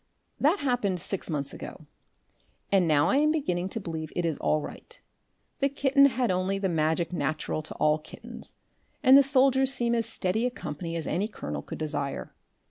That happened six months ago. And now I am beginning to believe it is all right. The kitten had only the magic natural to all kittens, and the soldiers seem as steady a company as any colonel could desire.